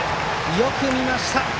よく見ました。